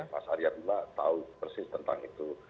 mas arya bima tahu persis tentang itu